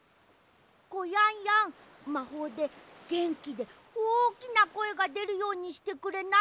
コヤンヤンまほうでげんきでおおきなこえがでるようにしてくれない？